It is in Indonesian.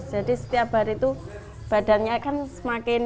jadi setiap hari itu badannya kan semakin